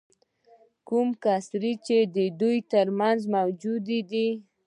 کوم کسر چې د دوی ترمنځ موجود دی